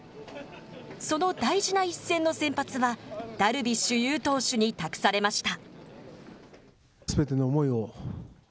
その大事な一戦の先発は、ダルビッシュ有投手に託されました。